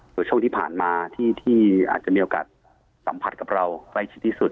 โดยช่วงที่ผ่านมาที่อาจจะมีโอกาสสัมผัสกับเราใกล้ชิดที่สุด